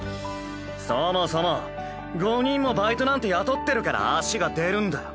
そもそも５人もバイトなんて雇ってるから足が出るんだよ。